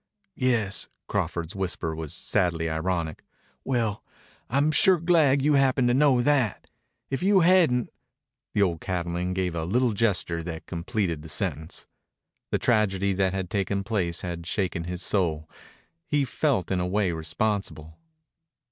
"Yes." Crawford's whisper was sadly ironic. "Well, I'm sure glad you happened to know that. If you hadn't...." The old cattleman gave a little gesture that completed the sentence. The tragedy that had taken place had shaken his soul. He felt in a way responsible.